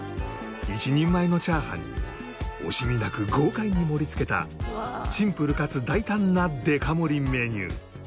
１人前のチャーハンに惜しみなく豪快に盛り付けたシンプルかつ大胆なデカ盛りメニュー。